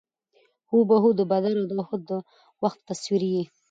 هو بهو د بدر او اُحد د وخت تصویر یې.